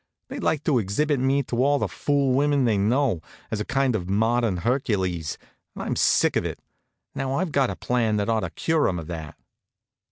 They'd like to exhibit me to all the fool women they know, as a kind of modern Hercules, and I'm sick of it. Now, I've got a plan that ought to cure 'em of that."